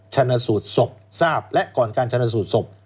ชนะสูตรศพทราบและก่อนการชนสูตรศพ